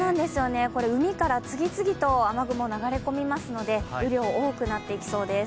海から次々と雨雲が流れ込みますので、雨量、多くなっていきそうです。